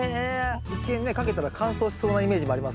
一見ねかけたら乾燥しそうなイメージもありますけど。